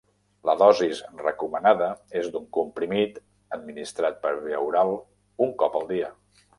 La dosis recomanada és d'un comprimit administrat per via oral un cop al dia.